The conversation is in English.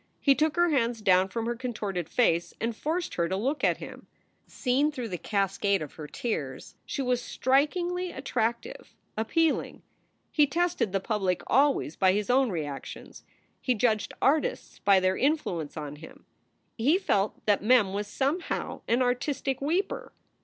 He took her hands down from her contorted face and forced her to look at him. Seen through the cas cade of her tears she w r as strikingly attractive, appealing. He tested the public always by his own reactions. He judged artists by their influence on him. He felt that Mem was somehow an artistic weeper.